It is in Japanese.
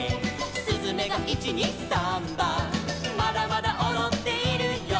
「すずめが１・２・サンバ」「まだまだおどっているよ」